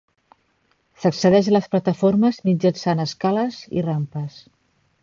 S'accedeix a les plataformes mitjançant escales i rampes.